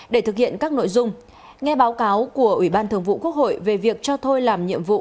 để thực hiện các nội dung nghe báo cáo của ủy ban thường vụ quốc hội về việc cho thôi làm nhiệm vụ